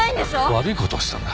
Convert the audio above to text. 悪い事をしたんだ。